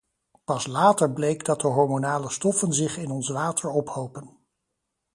Pas later bleek dat de hormonale stoffen zich in ons water ophopen.